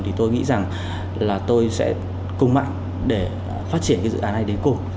thì tôi nghĩ rằng là tôi sẽ cùng mạnh để phát triển cái dự án này đến cùng